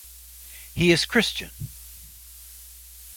He is Christian.